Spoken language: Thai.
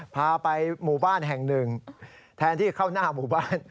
พาไปหมู่บ้านแห่งหนึ่งแทนที่เข้าหน้าหมู่บ้าน